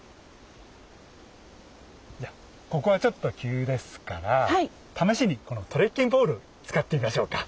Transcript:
ここはちょっと急ですから試しにこのトレッキングポール使ってみましょうか。